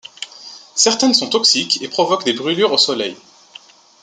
Certaines sont toxiques et provoquent des brûlures au soleil.